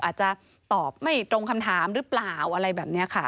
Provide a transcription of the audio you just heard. อาจจะตอบไม่ตรงคำถามหรือเปล่าอะไรแบบนี้ค่ะ